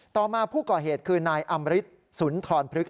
ต่อมาผู้ก่อเหตุคือนายอำริสุนทรพฤกษ